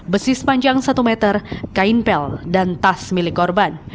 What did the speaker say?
besi sepanjang satu meter kain pel dan tas milik korban